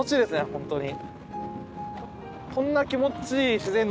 本当に。